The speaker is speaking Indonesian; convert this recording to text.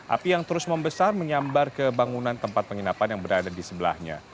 api yang terus membesar menyambar ke bangunan tempat penginapan yang berada di sebelahnya